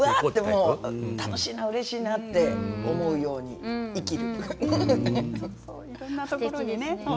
楽しいなうれしいなって思うように生きる。